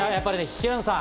平野さん